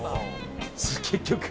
結局。